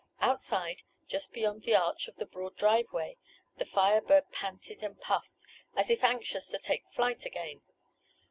Outside, just beyond the arch in the broad driveway, the Fire Bird panted and puffed, as if anxious to take flight again.